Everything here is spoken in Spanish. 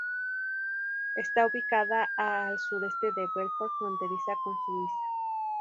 Está ubicada a al sureste de Belfort, fronteriza con Suiza.